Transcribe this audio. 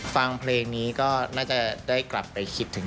ฟังเพลงนี้ก็น่าจะได้กลับไปคิดถึง